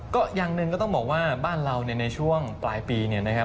ก็อย่างหนึ่งก็ต้องบอกว่าบ้านเราเนี่ยในช่วงปลายปีเนี่ยนะครับ